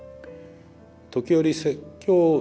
時折説教。